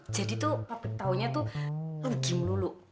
jadi tuh pabrik tau nya tuh rugi mulu mulu